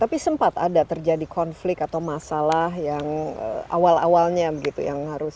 tapi sempat ada terjadi konflik atau masalah yang awal awalnya begitu yang harus